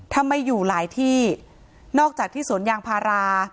ทำไมอยู่หลายที่นอกจากที่สวนยางพารา